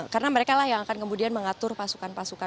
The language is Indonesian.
karena mereka lah yang akan kemudian mengatur pasukan pasukan